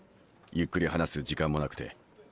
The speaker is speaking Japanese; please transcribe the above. ゆっくり話す時間もなくて。